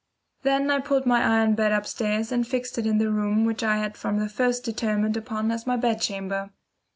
Then I pulled my iron bed upstairs and fixed it in the room which I had from the first determined upon as my bedchamber.